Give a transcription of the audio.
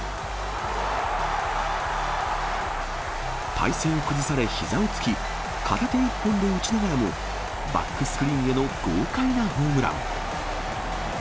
体勢を崩され、ひざをつき、片手一本で打ちながらも、バックスクリーンへの豪快なホームラン。